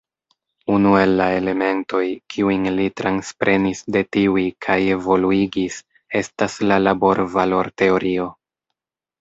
Unu el la elementoj, kiujn li transprenis de tiuj kaj evoluigis, estas la laborvalorteorio.